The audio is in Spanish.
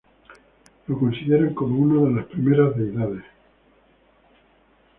Lo consideran como una de las primeras deidades.